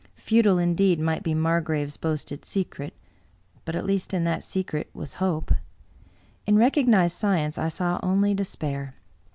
Futile, indeed, might be Margrave's boasted secret ; but at least in that secret was hope. In recognized science I saw only despair.